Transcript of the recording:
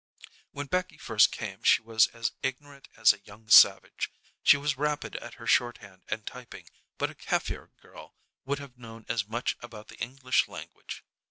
When Becky first came she was as ignorant as a young savage. She was rapid at her shorthand and typing, but a Kafir girl would have known as much about the English language.